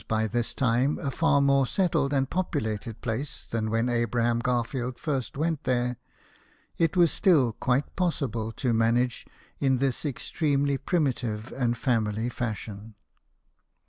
by this time a far more settled and populated place than when Abram Garfield first went there, it was still quite possible to manage in this extremely primitive and family fashion.